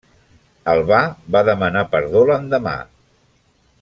Albà va demanar perdó l'endemà.